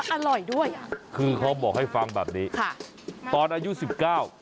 อร่อยด้วยอ่ะคือเขาบอกให้ฟังแบบนี้ค่ะตอนอายุสิบเก้า